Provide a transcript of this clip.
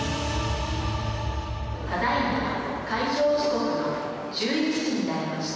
「ただいま開場時刻の１１時になりました。